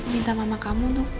minta mama kamu untuk